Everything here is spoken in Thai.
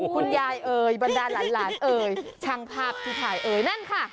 คุณยายเอ่ยบรรดาหลานเอ่ยช่างภาพที่ถ่ายเอ่ยนั่นค่ะ